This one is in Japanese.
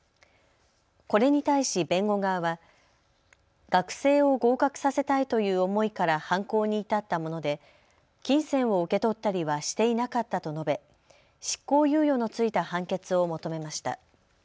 これに対し弁護側は学生を合格させたいという思いから犯行に至ったもので金銭を受け取ったりはしていなかったと述べ執行猶予の付いた判決を求めました。